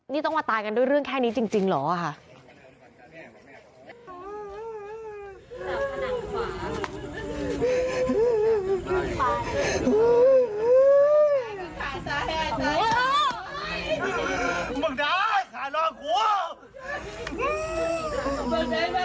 นี่ต้องมาตายกันด้วยเรื่องแค่นี้จริงเหรอค่ะ